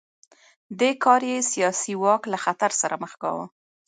دې کار یې سیاسي واک له خطر سره مخ کاوه.